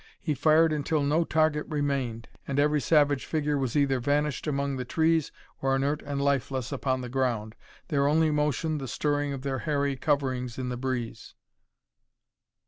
He fired until no target remained, and every savage figure was either vanished among the trees or inert and lifeless upon the ground, their only motion the stirring of their hairy coverings in the breeze.